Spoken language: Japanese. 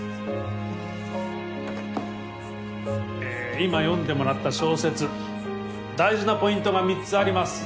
今読んでもらった小説大事なポイントが３つあります。